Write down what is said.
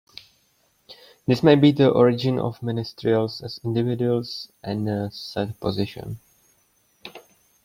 This may be the origin of ministerials as individuals in a set position.